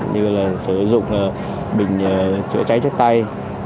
như là sử dụng bình chữa cháy chất tay